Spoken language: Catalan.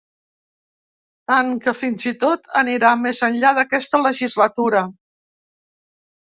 Tant, que fins i tot aniria més enllà d’aquesta legislatura.